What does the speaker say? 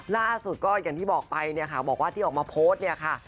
ล่าสุดก็อย่างที่บอกไปเนี่ยค่ะบอกว่าที่ออกมาโพสต์เนี่ยค่ะ